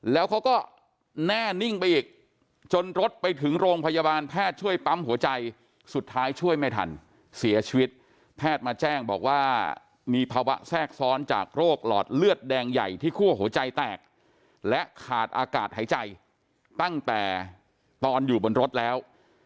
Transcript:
แล้วเขาก็แน่นิ่งไปอีกจนรถไปถึงโรงพยาบาลแพทย์ช่วยปั๊มหัวใจสุดท้ายช่วยไม่ทันเสียชีวิตแพทย์มาแจ้งบอกว่ามีภาวะแทรกซ้อนจากโรคหลอดเลือดแดงใหญ่ที่คั่วหัวใจแตกและขาดอากาศหายใจตั้งแต่ตอนอยู่บนรถแล้ว